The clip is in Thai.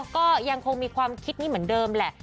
ก็ยังคงมีความคิดนี้เหมือนเดิมแหละ